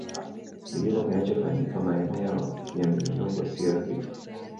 Kilimo kinachofanyika maeneo ya miinuko si rafiki